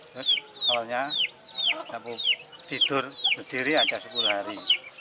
terus soalnya tidak mau tidur berdiri saja sepuluh hari